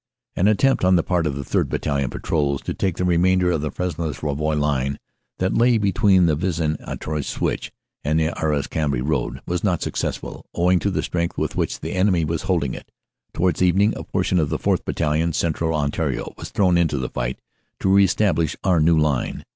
"An attempt on the part of the 3rd. Battalion patrols to take the remainder of the Fresnes Rouvroy line that lay between the Vis en Artois Switch and the Arras Cambrai road was not suc cessful, owing to the strength with which the enemy was hold ing it. Towards evening a portion of the 4th. Battalion, Cen tral Ontario, was thrown into the fight to re establish our new line.